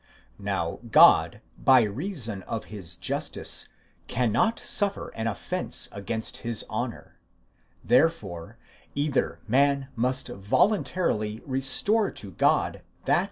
Now God, by reason of his justice, cannot suffer an offence against his honour: therefore, either man must voluntarily restore to God that which is.